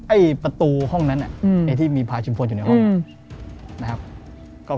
ไอ้ประตูห้องนั้นเนี่ยไอ้ที่มีพาชิมโฟนอยู่ในห้องอืม